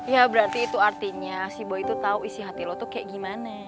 ya berarti itu artinya si boy tau isi hati lo tuh kayak gimana